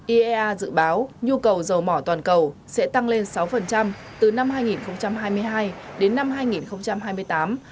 iea dự báo nhu cầu dầu mỏ toàn cầu sẽ tăng lên sáu từ năm hai nghìn hai mươi hai đến năm hai nghìn hai mươi tám